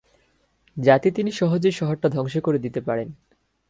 যাতে তিনি সহজেই শহরটা ধ্বংস করে দিতে পারেন।